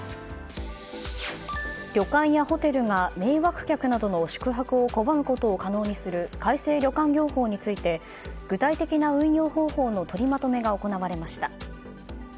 旅館やホテルが迷惑客などの宿泊を拒むことを可能にする改正旅館業法について具体的な運用方法の取りまとめが行われました。